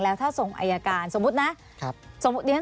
แล้วถ้าส่งอายการสมมุตินะ